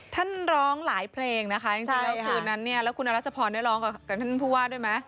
ท่านร้องหลายเพลงนะคะจริงแล้วคืนนั้นเนี่ยแล้วคุณอรัชพรได้ร้องกับท่านผู้ว่าด้วยไหม